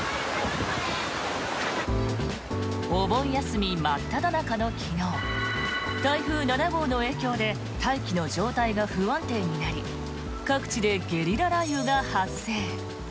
お盆休み真っただ中の昨日台風７号の影響で大気の状態が不安定になり各地でゲリラ雷雨が発生。